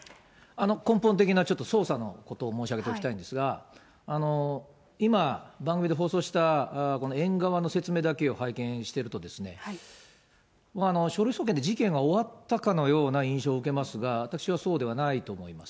根本的なちょっと捜査のことを申し上げておきたいんですが、今、番組で放送したこの園側の説明だけを拝見しているとですね、書類送検って、事件が終わったかのような印象を受けますが、私はそうではないと思います。